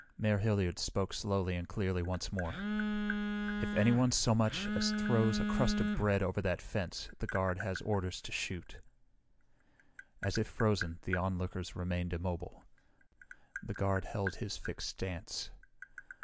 Mayor Hilliard spoke slowly and clearly once more. "If anyone so much as throws a crust of bread over that fence the guard has orders to shoot." As if frozen, the onlookers remained immobile. The guard held his fixed stance.